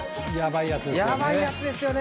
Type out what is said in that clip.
やばいやつですよね。